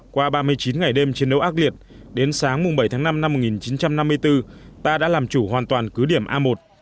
qua ba mươi chín ngày đêm chiến đấu ác liệt đến sáng bảy tháng năm năm một nghìn chín trăm năm mươi bốn ta đã làm chủ hoàn toàn cứ điểm a một